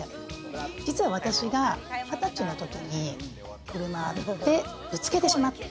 実は私が二十歳の時に、車でぶつけてしまって。